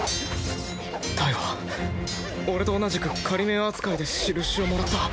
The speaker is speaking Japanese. ダイは俺と同じく仮免扱いでしるしをもらった。